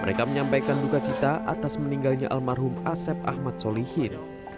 mereka menyampaikan dukacita atas meninggalnya almarhum asep ahmad solihin